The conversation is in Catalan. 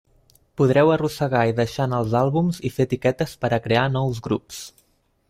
Podreu arrossegar i deixar anar els àlbums i fer etiquetes per a crear nous grups.